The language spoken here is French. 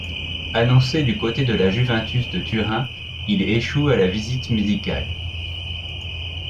Annoncé du côté de la Juventus de Turin, il échoue à la visite médicale.